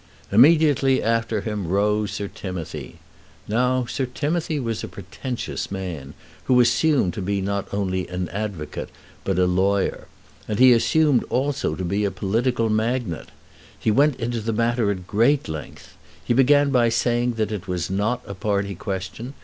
Immediately after him rose Sir Timothy. Now Sir Timothy was a pretentious man, who assumed to be not only an advocate but a lawyer. And he assumed also to be a political magnate. He went into the matter at great length. He began by saying that it was not a party question.